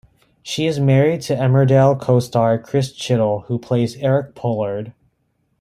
She is married to Emmerdale co-star Chris Chittell who plays Eric Pollard.